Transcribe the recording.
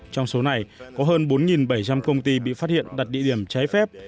trong số này có hơn bốn bảy trăm linh công ty bị phát hiện đặt địa điểm trái phép